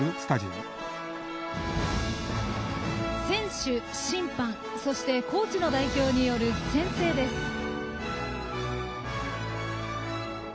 選手、審判そしてコーチの代表による宣誓です。